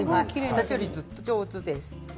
私よりずっと上手です。